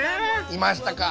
いましたか。